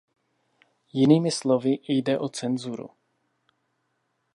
Jinými slovy, jde o cenzuru.